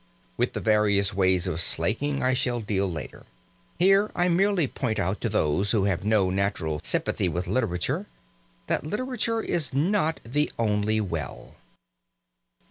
With the various ways of slaking I shall deal later. Here I merely point out to those who have no natural sympathy with literature that literature is not the only well.